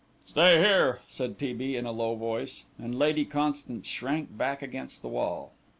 "Stay here," said T. B. in a low voice, and Lady Constance shrank back against the wall.